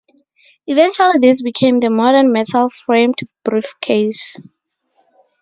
Eventually these became the modern metal-framed briefcase.